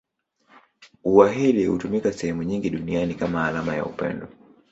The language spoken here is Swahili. Ua hili hutumika sehemu nyingi duniani kama alama ya upendo.